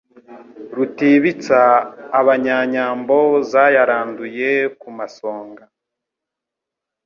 Rutibitsa abanyanyambo zayarunduye ku masonga